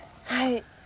はい。